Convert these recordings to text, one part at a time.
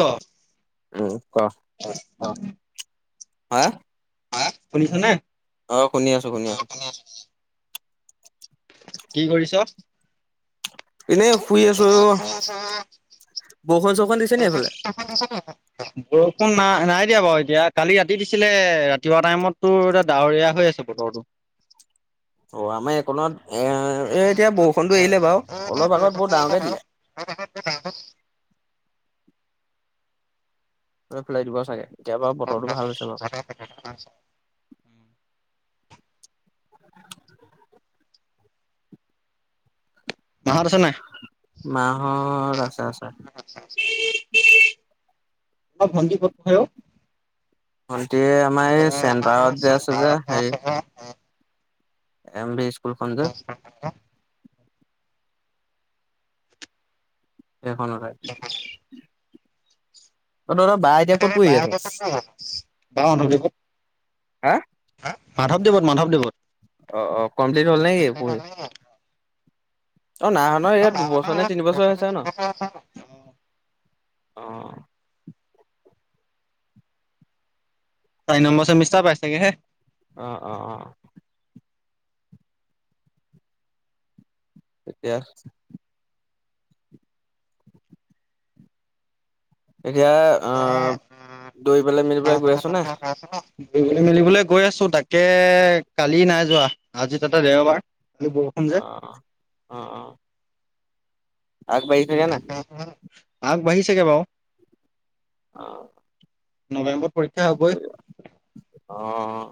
ক ওম ক হা অঁ শুনিছ নাই আঁহ শুনি আছো শুনি আছো। এনেই শুই আছো আছো বৰষুণ চৰষুণ দিছে অ নি সেইফালে বৰষুণ চৰষুণ দিছে নি সেইফালে বৰষুণ নাই নাই দিয়া বাৰু এতিয়া কালি ৰাতি দিছিলে ৰাতিপুৱা টাইমততো এতিয়া ডাৱৰীয়া হৈ আছে বতৰটো অ আমাৰ এই এই এতিয়া বৰষুণটো এৰিলে বাৰু অলপ আগত বহুত ডাঙৰকে দিলে তই ফ্লাইট পোৱাছাগে। [unintelligible] [unintelligible] মাহত আছে নাই? মাহত আছে আছে। অঁ ভন্টি ক'ত পঢ়ে অঁ ভণ্টী আমাৰ এই চেণ্টাৰত যে আছে যে হেৰি এম বেছ [unintelligible] এখনৰাই অ' তহঁতৰ বাই এতিয়া ক'ত পঢ়ি আছে? বা মাধৱদেৱত হা মাধৱদেৱত মাধৱদেৱত অ' অ' কমপ্লিট হ'ল নেকি পঢ়ি? অ' নাই হ ন ইয়াত দুবছৰ নে তিনিবছৰ হৈছে ন। অ' চাৰি নম্বৰ চেমিষ্টাৰ পাইছে গে হে। অ' অ' অ' এতিয়া। এতিয়া দৈ পেলাই মেলি পেলাই গৈ আছ নে? দৌৰিবলে মেলিবলে গৈ আছোঁ। তাকে কালি নাই যোৱা আজি তাতে দেওবাৰ। বৰষুণ যে অ', আগ বাঢ়ি থাকে নাই। আগবাঢ়ি ছেগে বাৰু। অ', নৱেম্বৰত পৰীক্ষা হ'বই অ',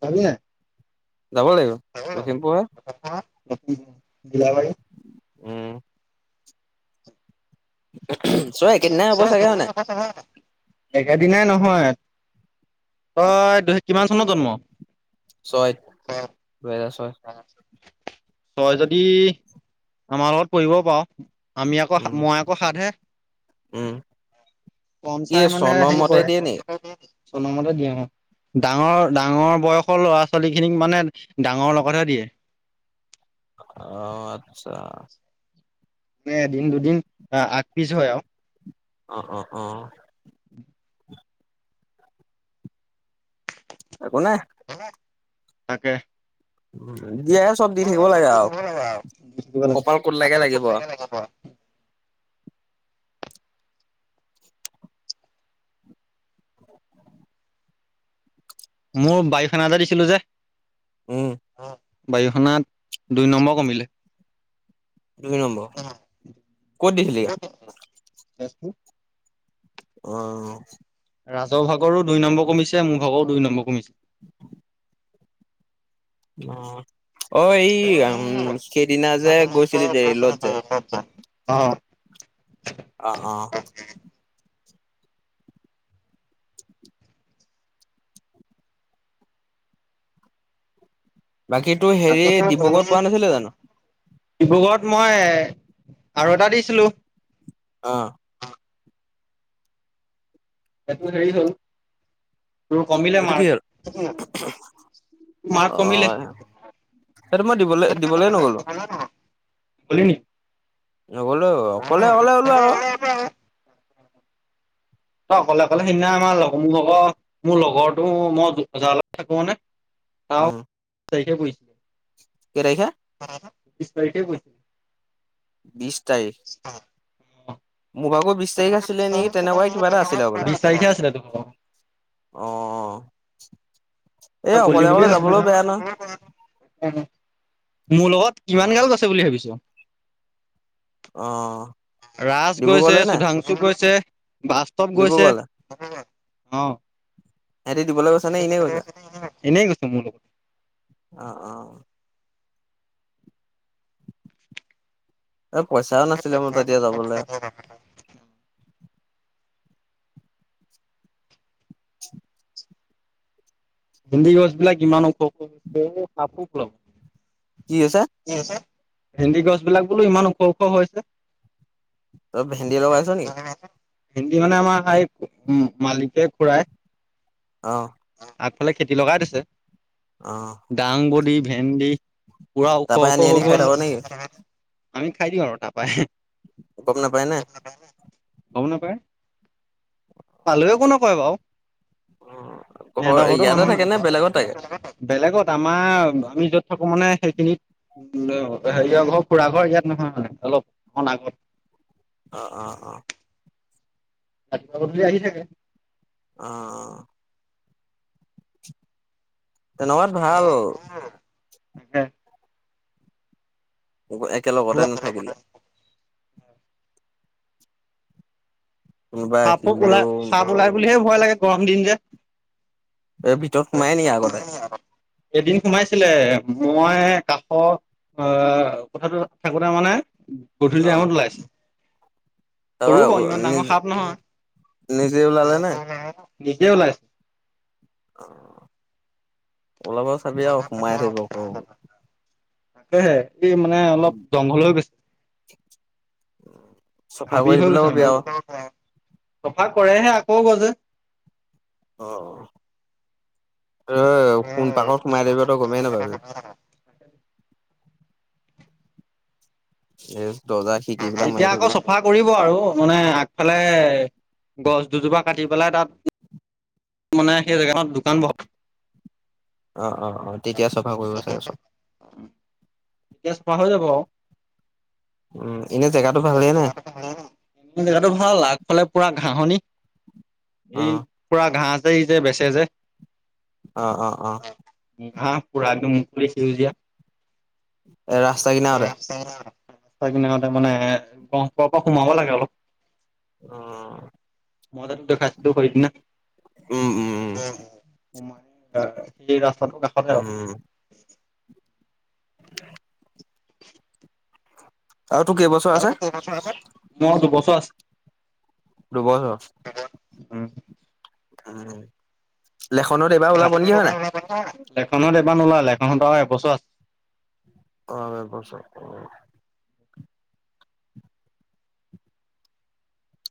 খাবি নাই। যাব লাগিব লখিমপুৰহে। দিলা ভাই। উম ছয় একেদিনাই চ হ'ব চাগে হয় নাই? একেদিনাই হব চাগে হয় নাই? একেদিনাই নহয়। তই দুইত কিমান চনত জন্ম। ছয় দুহেজাৰ ছয়। হয়। তই যদি আমাৰ লগত পঢ়িবও পাওঁ। আমি আকৌ উম, মই আকৌ সাত হে উম, পম কি চাই মানে সেই চনমতে কৰে। দিয়ে নেকি? চন মতে দিয়ে অ'। ডাঙৰ ডাঙৰ বয়সৰ ল'ৰা ছোৱালী খিনিক মানে ডাঙৰ লগ- পঠা দিয়ে। আহ আত্চ্ছা। মানে এদিন দুদিন আগ পিছ হয় আও অ' অ' অ' [unintelligible] একো নাই। তাকে মুৰা থাকিব কপাল লাগে ক'ত লাগে লাগিব আৰু। মোৰ বাৰী খানা এটা দিছিলো যে উম, অ। বাইঅখনত দুই নম্বৰ কমিলে। দুই নম্বৰ, ক'ত দেখিলি এয়া? অঁ। ৰাজৰ ভাগৰো দুই নম্বৰ কমিছে, মোৰ ভাগৰো দুই নম্বৰ কমিছে। অঁ। অ এই উম সেইদিনা যে গৈছিলি যে ৰেলত যে? অঁ। অঁ, অঁ। বাকী তোৰ হেৰি ডিব্ৰুগড়ত পৰা নাছিলে জানো? ডিব্ৰুগড়ত মই আৰু এটা দিছিলো। অঁহ। এ তো হেৰি হ'ল তোৰ কমিলে এইটো কি হ'ল? মাৰ্ক, মাৰ্ক অ কমিলে সেইটো মই দিবলৈ দিবলে নগলো [unintelligible] নগ'লোৱে। অকলে অকলে হ'লো আও তই অকলে অকলে সেইদিনা আমাৰ লগ মোৰ লগৰ মোৰ লগৰটো মই বজাৰত থাকো মানে তাৰ উম। তাৰিখে পৰিচ কে তাৰিখে? বিছ তাৰিখে পৰি বিছ তাৰিখ। অ। মোৰ ভাগৰ বিছ তাৰিখ আছিল নেকি? তেনেকুৱাই কিবা এটা আছিলে হ'বলা। বিশ তাৰিখে আছিলে তো অঁ। তই গলি বুলি ভাবিছিলোঁ। [unintelligible] মোৰ লগত অ কিমান গাল গৈছে বুলি ভাবিছ। অঁ। ৰাজ গৈছে, চুধাংশু গৈছে। বাস্তৱ গৈছে। ডিব্ৰুগড়লে অঁ। সিহঁতি দিবলৈ গৈছে নে এনেই গৈছে? এনেই গৈছে মোৰ লগত অ, অ। এ পইচাও নাছিলে মোৰ তেতিয়া যাবলে। [inaudible] দী গৈছে নে ইমান ওখ-ওখ। [unintelligible] কি আছে হিন্দী গছ বিলাক বোলো ইমান ওখ ওখ হৈছে তই ভেন্দি লগাইছ নি হিন্দী মানে আমাৰ হাই মালিকে খুৰাই অহ আগফালে খেতি লগাই দিছে অ দাংবডী ভেন্দি পুৰা ওখ তাৰ পৰাই ওখ আনি আনি হৈ খাই গ'ল থাক নেকি আমি খাই দিওঁ আৰু তাপাই গম নাপায় নে গম নাপায় পালে একো নকয় বাও অ এডশো মানুহ বেলেগত আমাৰ আমি য'ত থাকো মানে সেইখিনিত উ হেৰিয় ঘৰ খুৰা ঘৰ ইয়াত নহয় মানে অলপ অন আগত অ অ অ গধূলি আহি থাকে অ অ তেনেকাত ভাল তাকে একেলগতে নাথাকিলে কোনোবা সাপো ওলাই আহিলেও সাপ ওলাই বুলিহে ভয় লাগে গৰম দিন যে এই ভিতৰত সোমাই নেকি আগতে। এদিন সোমাইছিলে মই কাষৰ কুঠাটো। থাকোতে মানে গধূলি অ ডমত ওলাইছে সৰু তাৰপৰা ব ইমান নিজ ডাঙৰ সাপ। নহয় নিজে ওলালে নে। নিজেই ওলাইছে। অহ। ওলাব চাবি আৰু সোমাই আহিব আকৌ। তাকেহে। এই মানে অলপ জংঘল হৈ গৈছে। চফা হাবি কৰি হৈ দিবলৈ গৈছে কবি আৰু মানে। চফা কৰেহে আকৌ গজে। অহ। অ কোন পাকল সোমাই দিব তো গমেই নাপাবি। [unintelligible] খিৰিকী বিলাক এতিয়া মাৰি আকৌ থবি চাফা কৰিব আৰু, মানে আগফালে গছ দুজোপা কাটি পেলাই তাত, মানে সেই জেগাকনত দোকান বহাব। অ' অ' অ'। তেতিয়া চাফা কৰিব চাগে চব। তেতিয়া চফা হৈ যাব আৰু উম। এনে জেগাটো ভালেই নে জেগাটো ভাল। আগফালে পুৰা ঘাঁহনি, অ এই পুৰা ঘাঁহ এই যে বেচে যে। অ' অ' অ'। ঘাঁহ পুৰা একদম, মুকলি সেউজীয়া। [inaudible] এ ৰাস্তা কিনাৰতে ৰাস্তাৰ কিনাৰতে মানে, গহপুৰৰ পৰা সোমাব লাগে অলপ। অ'। মই যে তোক দেখাইছিলো সেইদিনা। উম উম উম [unintelligible] সেই ৰাচ ৰাস্তাটোৰ কাষতে আৰু। উম [inaudible] আৰু তোৰ কেইবছৰ আছে? মোৰ আৰু দুবছৰ আছে। দুবছৰ। উম। [unintelligible] লেখনত এইবাৰ ওলাব নেকি হয় নাই? লেখনত এবাৰ নোলাল, লেখনহঁতৰ আৰু এবছৰ আছে। অ' আৰু এবছৰ অ'।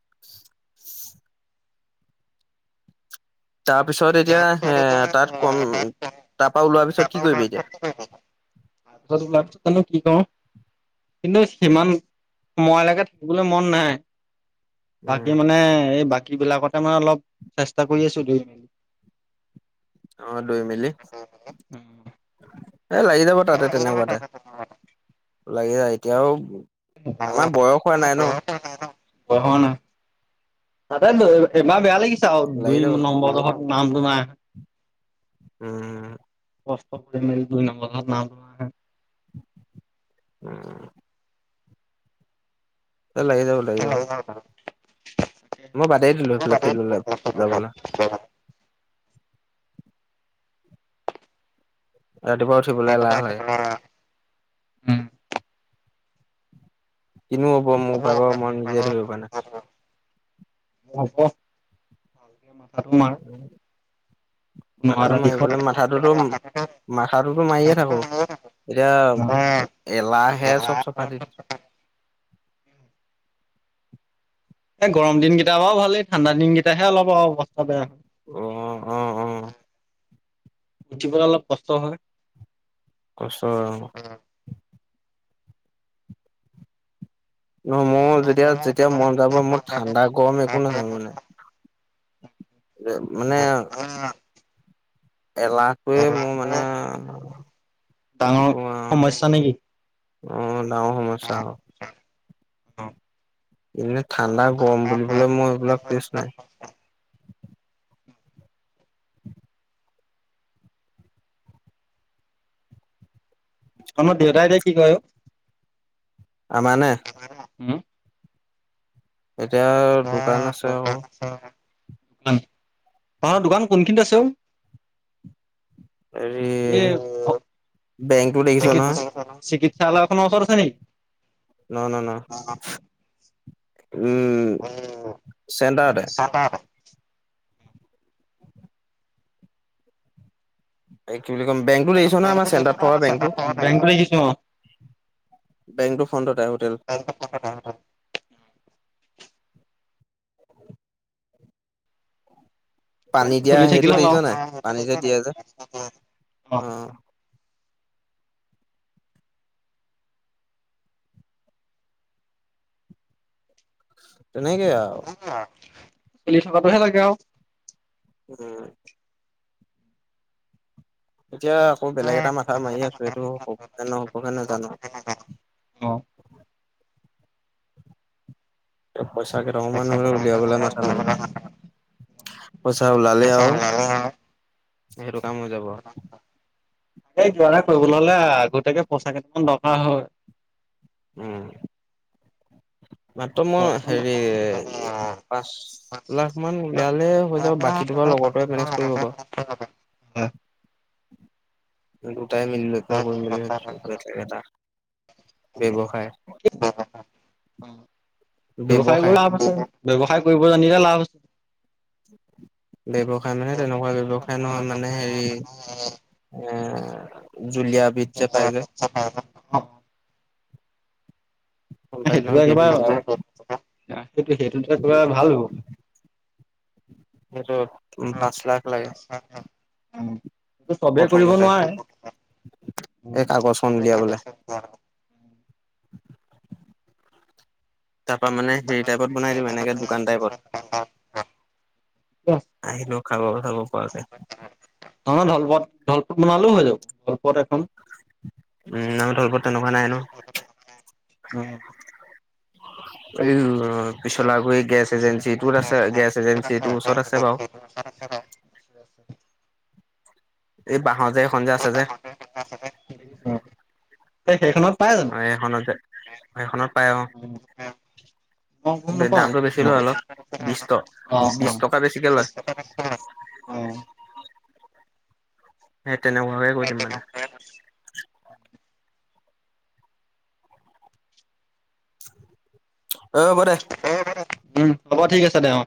[inaudible] তাৰপিছত এতিয়া, এ তাত কম, তাৰ পৰা ওলোৱা পিছত কি কৰিবি এতিয়া? তাৰপিছত ওলোৱাৰ পিছত জানো কি কৰো! কিন্তু সিমান সময়লৈকে থাকিবলৈ মন নাই। উম, বাকী মানে, এই বাকী বাকীবিলাকতে মানে অলপ, চেষ্টা কৰি আছো ধুই মেলি। অ' ধুই মেলি এ লাগি যাব তাতে তেনেকুৱাতে, লাগি যায়। তেওঁ আমাৰ বয়স হোৱা নাই ন ক শ ন [inaudible] তাতে এবাৰ বেয়া লাগিছো আৰু লাগি দুই যাব নম্বৰ জখত নাম ন উম। কষ্ট কৰি ম দুই নম্বৰ ন ল উ। এ লাই য লাই যও [inaudible] মই বাদেই দিলো সেইফালে ফিল্ড যাবলৈ ৰাতিপুৱা উঠিবলৈ এলাহ হয় কিনো হ'ব মোৰ ভাগৰ। মই নিজে কৰিবিব প নে [inaudible] তোমাৰ? মাথাটো মাৰিবলে মাথাটোতো মাথাটোতো মাৰিয়ে থাকো এতিয়া এলাহ সে চব চফা দি এই গৰম দিন কেইটা বাও ভালেই ঠাণ্ডা দিনকেইটাহে অলপ অস্থা অ' অ' উম। উঠিবলৈ অলপ কষ্ট হয়। কষ্ট ন মোৰ যেতিয়া যেতিয়া মন যাব মোৰ। ঠাণ্ডা গৰম একো নহয় মানে মানে এলাহটোৱে মোৰ মানে কি ডাঙৰ কোৱা সমস্যা নেকি অ' ডাঙৰ সমস্যা ইনে ঠা [inaudible] গম বুলি পেলাই মই এইবিলাক। কৃষ্ণাই আমাৰ দেউতাই এতিয়া কি কয়? আমাৰ নে? উম এতিয়া দোকান আছে আৰু তহতৰ দোকান কোনখিনিত আছে অ'? হেৰি এই বেংকটো দেখিছ শ নহয় শিক চালাখন ওচৰত আছে নেকি? ন ন ন উম চেণ্টাৰতে। এই কি বুলি ক'ম বেংকটো দেখিছ নহয় আমাৰ নেকি? চেণ্টাৰত থকা বেংকটো, বেংকত দেখিছো অ বেংকটো ফ্ৰণ্টতে হোটেল। থিকে পানী আছে দিয়া চলি সেইটো থাকিলে হ'ল দেখিছ নাই পানী যে আৱ, দিয়ে যে অহ অ তেনেকে আৱ। চলি থকাটোহে লাগে আৱ। উম। এতিয়া আকৌ বেলেগ এটা মাথা মাৰি আছো সেইটো হ'বগে নহ'ব গে নেজানো আৱ। অ [inaudible] পইচা কেইটকামান মানে উলিয়াবলে মাথা মাৰি আছোঁ, পইচা ওলালে আৱ সেইটো কাম হৈ যাব। সেই কিবা এটা কৰিবলে হ'লে আগতিয়াকে পইচা কেইটামান দৰকাৰ হয়। উম মাত্ৰ মই পইচা অ হেৰি পাঁচ লাখ মান উলিয়ালে হৈ যাব বাকী তোমাৰ লগৰটোৱে মেনেজ কৰিব বাৱ। দুটাই মিলি লৈ দুটাই কৰিম বুলি ভাবিছোঁ বেলেগ এটা ব্যৱসায়। ব্যৱসায় বোৰ লাভ আছে ব্যৱসায় কৰিব জানিলে লাভ আছে। [inaudible] ব্যৱসায় মানে তেনেকুৱা ব্যৱসায় নহয় মানে হেৰি, এ [inaudible] জুলীয়া বিধ যে পাই যে। অ গম পালি সেইটোতো নহয় গ্ৰেভিটো যে একেবাৰে, সেইটো সেইটোতো একেবাৰ ভাল হ'ব। সেইটো অ, পাঁচ লাখ লাগে অ টো চবে কৰিব প্ৰথমতে। নোৱাৰে এই কাগজখন উলিয়াবলে। তাপা মানে হেৰি টাইপত বনাই দিম এনেকে দোকান টাইপত আহিলো খাব চাব পৰাকে। ধল পত বনালো হৈ যাব। এখন উম নাই তলপত তেনেকোৱা নাই ন। উম এ ইল অ পিছল গৰি গেছ এজেঞ্চিটোত আছে গেছ এজেঞ্চিটোৰ ওচৰত আছে বাউ এই বা মাজে সন্ধিয়া আছে যে এ সেইখনত পাই জানো সেইখনত যে সেইখনত পাই অ মই গম নাপাওঁ দামটো বেছি লয় অলপ। বিশ ট বিশ টকা বেছিকে লয় অহ হেট তেনেকুৱাকে কৰি দিম মানে [inaudible] [inaudible] অ হব দে উম হ'ব ঠিক আছে দে অ